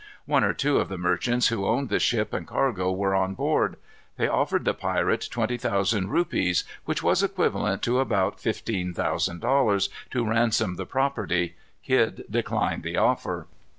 One or two of the merchants who owned the ship and cargo were on board. They offered the pirate twenty thousand rupees, which was equivalent to about fifteen thousand dollars, to ransom the property. Kidd declined the offer.